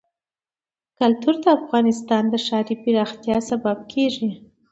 کلتور د افغانستان د ښاري پراختیا سبب کېږي.